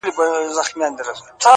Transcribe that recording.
• وګړي ډېر سول د نیکه دعا قبوله سوله,